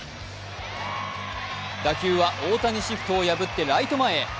打球は大谷シフトを破ってライト前へ。